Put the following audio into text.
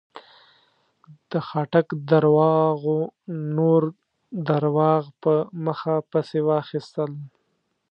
د خاټک درواغو نور درواغ په مخه پسې واخيستل.